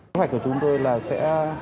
hoạt động của chúng tôi là sẽ